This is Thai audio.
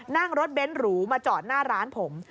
นั่งรถเบ้นหรูมาจอดหน้าร้านผม